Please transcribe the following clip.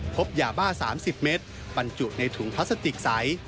พบยาบ้า๓๐เมตรบรรจุในถุงพลาสติกใส